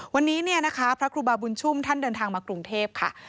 วันนี้พระครูบาบุญชุมท่านเดินทางมากรุงเทพฯค่ะ